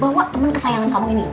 bawa temen kesayangan kamu ini